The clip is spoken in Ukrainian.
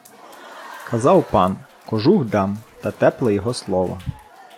Казав пан: кожух дам, та тепле його слово.